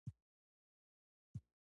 هغه غلی روان شو.